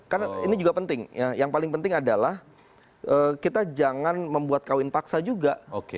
karena ini juga penting yang paling penting adalah kita jangan membuat kawin paksa juga